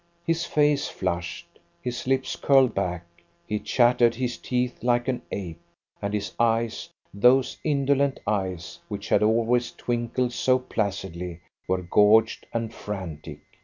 His face flushed, his lips curled back, he chattered his teeth like an ape, and his eyes those indolent eyes which had always twinkled so placidly were gorged and frantic.